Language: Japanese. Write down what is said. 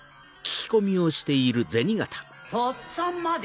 とっつあんまで？